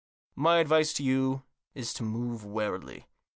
My advice to you is, move warily.